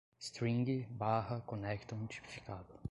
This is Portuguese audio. string, barra, conectam, tipificado